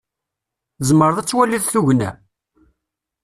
Tzemreḍ ad twaliḍ tugna?